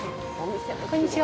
こんにちは。